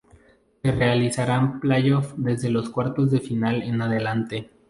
Se realizarán Play-Offs desde los Cuartos de Final en adelante.